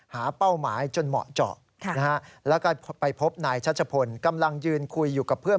เป้าหมายจนเหมาะเจาะแล้วก็ไปพบนายชัชพลกำลังยืนคุยอยู่กับเพื่อน